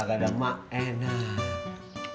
tak ada emak enak